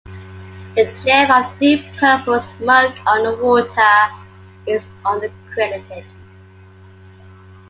The jam of Deep Purple's "Smoke on the Water" is uncredited.